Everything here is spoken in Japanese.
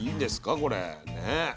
これね。